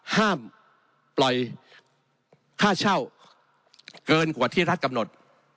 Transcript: ห้ามปล่อยค่าเช่าเกินกว่าที่รัฐกำหนด